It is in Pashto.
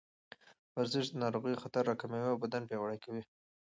ورزش د ناروغیو خطر راکموي او بدن پیاوړی کوي.